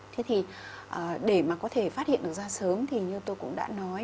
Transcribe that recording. thế thì để mà có thể phát hiện được ra sớm thì như tôi cũng đã nói